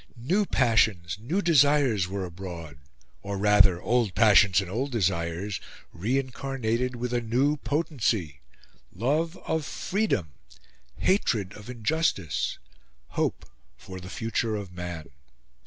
New passions, new desires, were abroad; or rather old passions and old desires, reincarnated with a new potency: love of freedom, hatred of injustice, hope for the future of man.